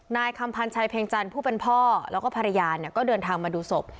นายคำพันธ์ชัยเพ็งจันทร์ผู้เป็นพ่อแล้วก็ภรรยาเนี่ยก็เดินทางมาดูศพ